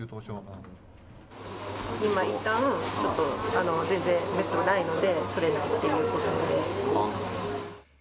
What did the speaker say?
今いったん全然ベッドがないので取れないっていうことで。